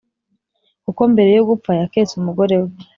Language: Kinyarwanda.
kuko mbere yogupfa yaketse umugorewe